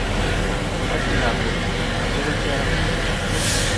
Ākilā bòt ābok itə̀rən.